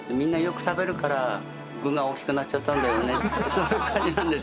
そういう感じなんです